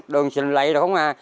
đường xình lầy được không à